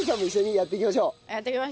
やっていきましょう。